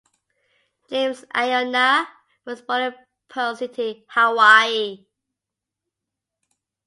James Aiona was born in Pearl City, Hawaii.